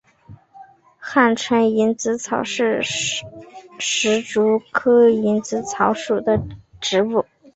汉城蝇子草是石竹科蝇子草属的植物。